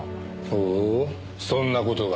ほうそんな事が。